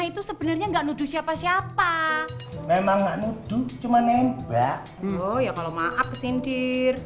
itu sebenarnya enggak nuduh siapa siapa memang nuduh cuma nembak oh ya kalau maaf kesindir